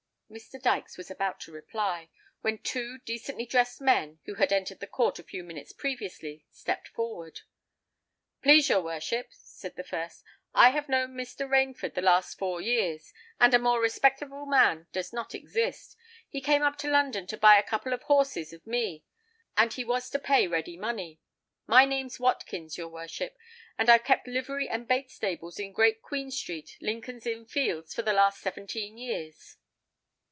Mr. Dykes was about to reply, when two decently dressed men, who had entered the court a few minutes previously, stepped forward. "Please, your worship," said the first, "I have known Mr. Rainford the last four years; and a more respectable man does not exist. He came up to London to buy a couple of horses of me; and he was to pay ready money. My name's Watkins, your worship; and I've kept livery and bait stables in Great Queen Street, Lincoln's Inn Fields, for the last seventeen years."